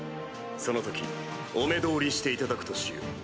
その時お目通りしていただくとしよう。